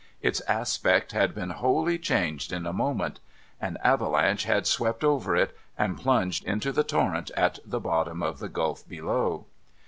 Its aspect had been wholly changed in a moment. An avalanche had swept over it, and plunged into the torrent at the bottom of the gulf below.